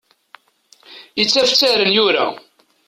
Ittafttaren yura.